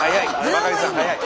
バカリさん早い！